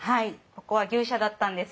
ここは牛舎だったんです。